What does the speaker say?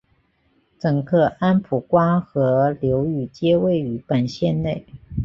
整个安普瓜河流域皆位于本县内。